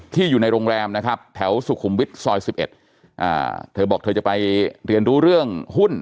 อยู่ในโรงแรมนะครับแถวสุขุมวิทย์ซอย๑๑เธอบอกเธอจะไปเรียนรู้เรื่องหุ้น